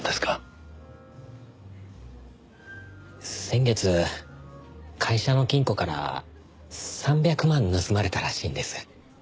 先月会社の金庫から３００万盗まれたらしいんです。